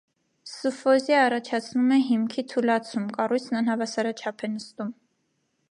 Սուֆոզիա առաջացնում է հիմքի թուլացում (կառույցն անհավասարաչափ է նստում)։